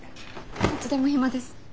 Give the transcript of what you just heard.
いつでも暇です。